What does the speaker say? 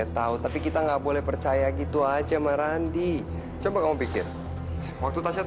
tentang perasaan kak fajar sama kak tasya